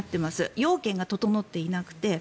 要件が整っていなくて。